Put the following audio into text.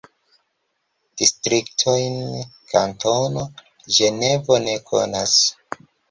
Distriktojn Kantono Ĝenevo ne konas.